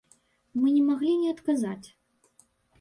Мы не маглі не адказаць.